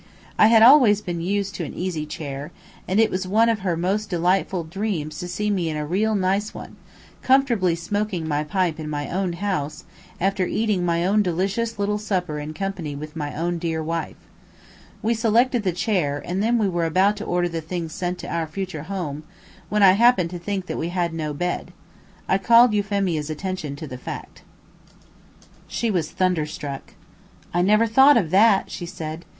I had always been used to an easy chair, and it was one of her most delightful dreams to see me in a real nice one, comfortably smoking my pipe in my own house, after eating my own delicious little supper in company with my own dear wife. We selected the chair, and then we were about to order the things sent out to our future home, when I happened to think that we had no bed. I called Euphemia's attention to the fact. She was thunderstruck. "I never thought of that," she said.